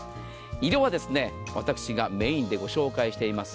色は私がメインでご紹介しています